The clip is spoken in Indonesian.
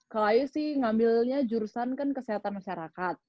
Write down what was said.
kalau ayah sih ngambilnya jurusan kan kesehatan masyarakat